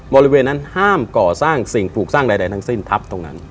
บริเวณนั้นห้ามก่อสร้างสิ่งปลูกสร้างใดทั้งสิ้นทับตรงนั้น